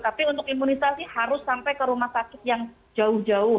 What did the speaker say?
tapi untuk imunisasi harus sampai ke rumah sakit yang jauh jauh